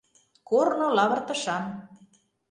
Корно лавыртышан.